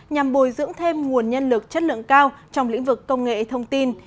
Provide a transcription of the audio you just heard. nhằm bồi dưỡng thêm nguồn nhân lực chất lượng cao trong lĩnh vực công nghệ thông tin